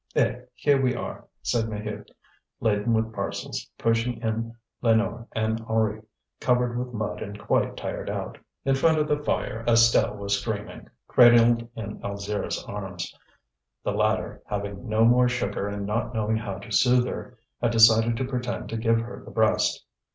"Eh! Here we are," said Maheude, laden with parcels, pushing in Lénore and Henri, covered with mud and quite tired out. In front of the fire Estelle was screaming, cradled in Alzire's arms. The latter, having no more sugar and not knowing how to soothe her, had decided to pretend to give her the breast.